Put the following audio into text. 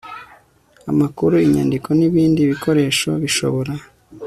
amakuru inyandiko n ibindi bikoresho bishobora